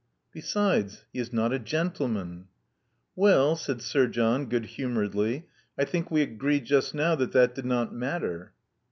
"Besides, he is not a gentleman." "Well," said Sir John, good hnmoredly, "I think we agreed just now that that did not matter."